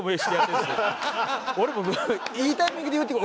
俺もいいタイミングで言うてくる。